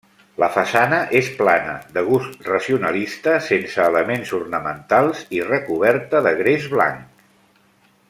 La façana és plana, de gust racionalista, sense elements ornamentals i recoberta de gres blanc.